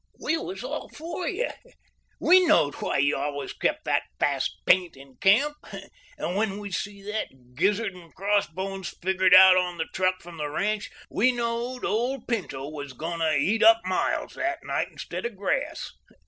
We was all for you. We knowed why you always kept that fast paint in camp. And when we see that gizzard and crossbones figured out on the truck from the ranch we knowed old Pinto was goin' to eat up miles that night instead of grass.